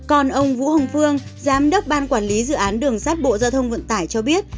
còn ông vũ hồng phương giám đốc ban quản lý dự án đường sắt bộ giao thông vận tải cho biết